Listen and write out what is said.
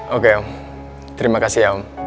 oke terima kasih ya om